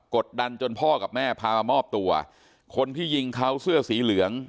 ดดันจนพ่อกับแม่พามามอบตัวคนที่ยิงเขาเสื้อสีเหลือง